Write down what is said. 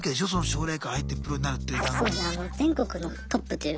奨励会入ってプロになるっていう段取り。